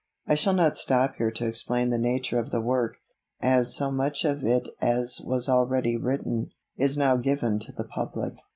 I shall not stop here to explain the nature of the work, as so much of it as was already written, is now given to the public.